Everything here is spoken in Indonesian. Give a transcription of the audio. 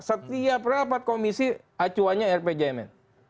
setiap rapat komisi acuannya rpjmn